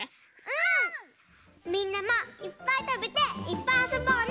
みんなもいっぱいたべていっぱいあそぼうね！